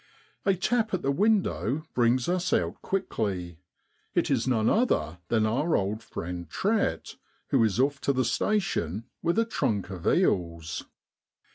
A tap at the window brings us out quickly. It is none other than our old friend Trett, who is off to the station with a trunk of eels.